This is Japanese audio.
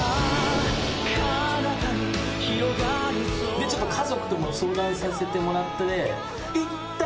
でちょっと家族とも相談させてもらって。